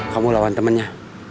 kamu lawan temennya